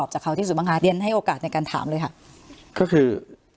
ให้โอกาสในการถามเลยค่ะก็คือ